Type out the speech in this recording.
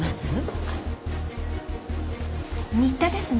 新田ですね。